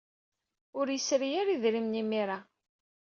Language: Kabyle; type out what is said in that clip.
Ur yesri ara idrimen imir-a.